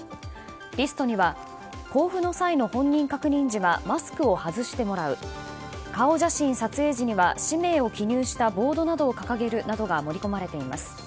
リストには交付の際の本人確認時はマスクを外してもらう顔写真撮影時には氏名を記入したボードなどを掲げるなどが盛り込まれています。